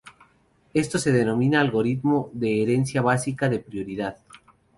Esto se denomina algoritmo de herencia básica de prioridad.